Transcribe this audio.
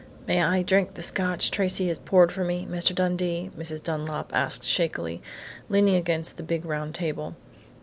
"May I drink the Scotch Tracey has poured for me, Mr. Dundee?" Mrs. Dunlap asked shakily, leaning against the big round table.